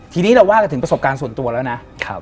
ทีนี้เราว่ากันถึงประสบการณ์ส่วนตัวแล้วนะ